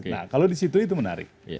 nah kalau di situ itu menarik